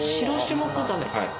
はい。